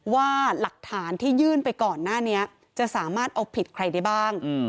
ว่าหลักฐานที่ยื่นไปก่อนหน้านี้จะสามารถเอาผิดใครได้บ้าง